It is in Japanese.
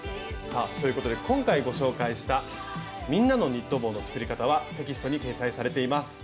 さあということで今回ご紹介した「みんなのニット帽」の作り方はテキストに掲載されています。